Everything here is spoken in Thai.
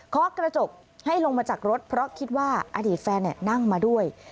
ขอกระจกให้ลงมาจากรถเพราะคิดว่าอดีตแฟนนั่งมาด้วย